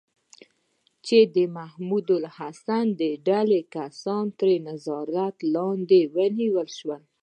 چې د محمود الحسن د ډلې کسان تر نظارت لاندې ونیول شي.